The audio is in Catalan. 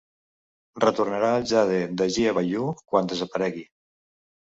Retornarà el jade de Jia Baoyu quan desaparegui.